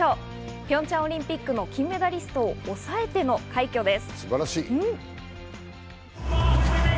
ピョンチャンオリンピックの金メダリストを抑えての快挙です。